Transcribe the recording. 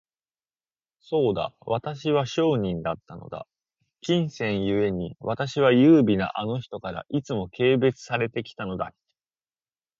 そうだ、私は商人だったのだ。金銭ゆえに、私は優美なあの人から、いつも軽蔑されて来たのだっけ。